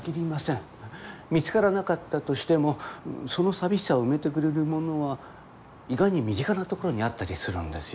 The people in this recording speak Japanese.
見つからなかったとしてもその寂しさを埋めてくれるものは意外に身近なところにあったりするんですよ。